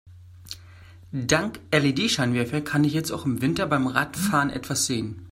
Dank LED-Scheinwerfer kann ich jetzt auch im Winter beim Radfahren etwas sehen.